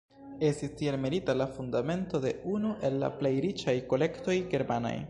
Estis tiel metita la fundamento de unu el la plej riĉaj kolektoj germanaj.